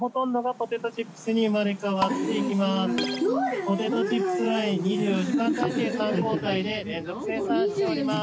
ポテトチップスライン、２４時間体制、３交代で生産しておりまーす！